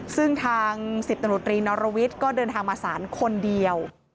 ซึ่งทางสิทธนุธรีนอรวิทก็เดินทางมาศาลคนเดียว